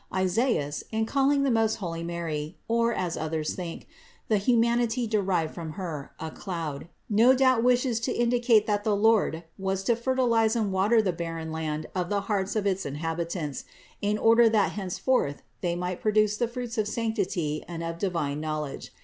Isaias, in calling the most holy Mary, or, as others think, the humanity derived from Her, a cloud, no doubt wishes to indicate that the Lord was to fertilize and water the barren land of the hearts of its inhabitants, in order that henceforth they might produce the fruits of sanctity and of divine knowledge.